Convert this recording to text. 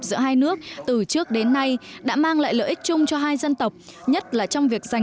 giữa hai nước từ trước đến nay đã mang lại lợi ích chung cho hai dân tộc nhất là trong việc giành